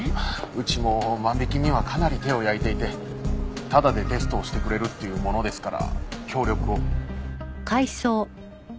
うちも万引きにはかなり手を焼いていてタダでテストをしてくれるって言うものですから協力を。